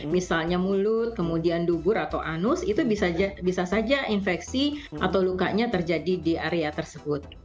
misalnya mulut kemudian dubur atau anus itu bisa saja infeksi atau lukanya terjadi di area tersebut